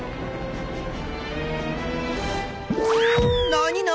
何何？